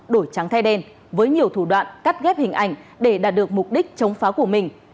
đổi trắng thay đen với nhiều thủ đoạn cắt ghép hình ảnh để đạt được mục đích chống phá của mình